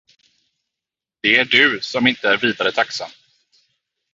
Det är du, som inte är vidare tacksam.